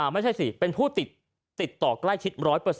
ไม่ใช่สิเป็นผู้ติดต่อใกล้ชิด๑๐๐